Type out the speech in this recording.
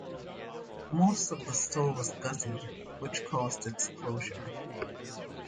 Most of the store was gutted, which caused its closure.